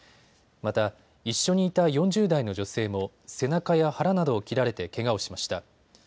また、一緒にいた４０代の女性も背中や腹などを切られてけがをしました。